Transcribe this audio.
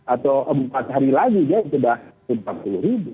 atau empat hari lagi dia sudah empat puluh ribu